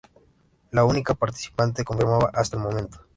La única participante confirmada hasta el momento.